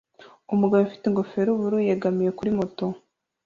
Umugabo ufite ingofero yubururu yegamiye kuri moto